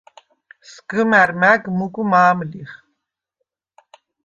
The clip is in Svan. სგჷმა̈რ მა̈გ მუგუ მა̄მ ლიხ.